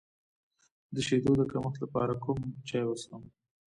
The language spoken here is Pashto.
د شیدو د کمښت لپاره کوم چای وڅښم؟